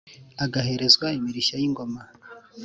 agaherezwa imirishyo yi ngoma